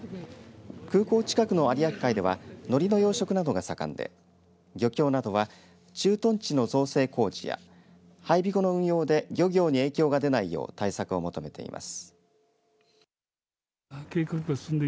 空港近くの有明海ではのりの養殖などが盛んで漁協などは駐屯地の造成工事や配備後の運用で漁業に影響が出ないよう対策を求めています。